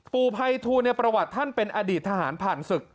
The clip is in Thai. ภัยทูลในประวัติท่านเป็นอดีตทหารผ่านศึก